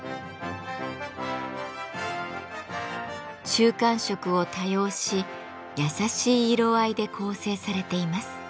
中間色を多用し優しい色合いで構成されています。